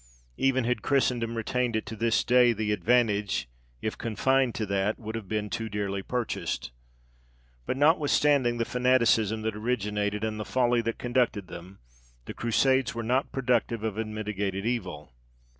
Even had Christendom retained it to this day, the advantage, if confined to that, would have been too dearly purchased. But notwithstanding the fanaticism that originated, and the folly that conducted them, the Crusades were not productive of unmitigated evil.